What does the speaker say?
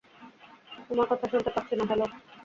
তোমার কথা শুনতে পাচ্ছি না, হ্যালো।